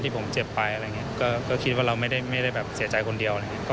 ที่ผมเจ็บไปอะไรอย่างเงี้ยก็คิดว่าเราไม่ได้ไม่ได้แบบเสียใจคนเดียวอะไรอย่างเงี้ย